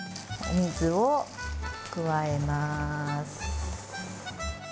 お水を加えます。